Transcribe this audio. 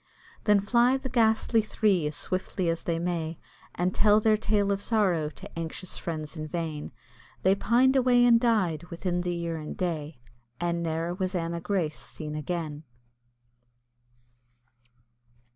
Then fly the ghastly three as swiftly as they may, And tell their tale of sorrow to anxious friends in vain They pined away and died within the year and day, And ne'er was Anna Grace seen again.